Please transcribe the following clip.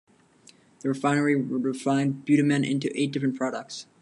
The refinery would refine bitumen into eight different products.